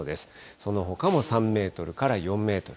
そのほかも３メートルから４メートル。